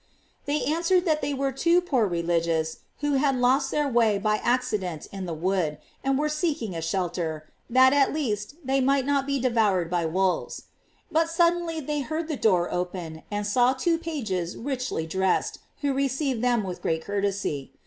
They answered that they were two poor religious 454 GLORIES OF MARY. who bad lost their way by accident in that wood' and were seeking a shelter, that at least they might not be devoured by wolves. But suddenly they heard the door open, and saw two pages richly dressed, who received them with great courtesy.